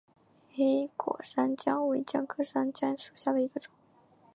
黑果山姜为姜科山姜属下的一个种。